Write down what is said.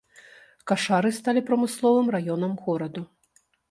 Кашары сталі прамысловым раёнам гораду.